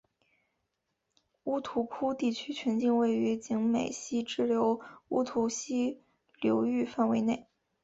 乌涂窟地区全境位于景美溪支流乌涂溪流域范围内。